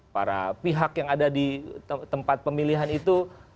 para pihak yang ada di tempat pemilihan itu